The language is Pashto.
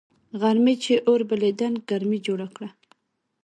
غرمې چي اور بلېدنگ ګرمي جوړه که